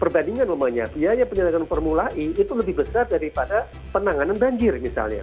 perbandingan umumnya biaya penyelenggaraan formula e itu lebih besar daripada penanganan banjir misalnya